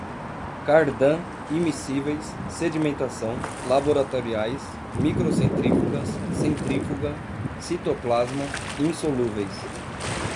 cardan, imiscíveis, sedimentação, laboratoriais, microcentrífugas, centrífuga, citoplasma, insolúveis